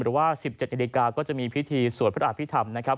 หรือว่า๑๗นาฬิกาก็จะมีพิธีสวดพระอภิษฐรรมนะครับ